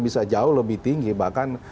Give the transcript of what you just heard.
bisa jauh lebih tinggi bahkan